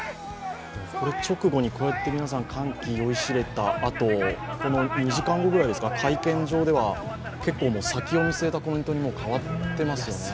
直後にこうやって歓喜に酔いしれたあとこの２時間後ぐらいですか、会見場では先を見据えたコメントに変わっていますよね。